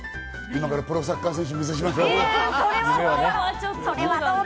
今からプロサッカー選手、目指しましょう。